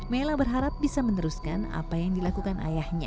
mela berharap bisa meneruskan apa yang dilakukan ayahnya